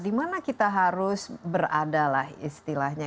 di mana kita harus beradalah istilahnya